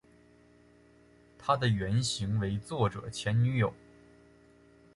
她的原型为作者前女友。